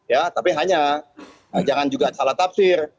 ya tapi hanya jangan juga salah tafsir